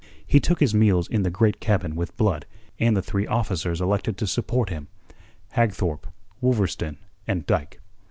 He took his meals in the great cabin with Blood and the three officers elected to support him: Hagthorpe, Wolverstone, and Dyke.